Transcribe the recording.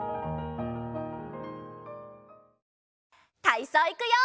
たいそういくよ！